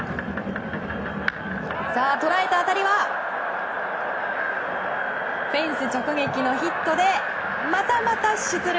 捉えた当たりはフェンス直撃のヒットでまたまた出塁！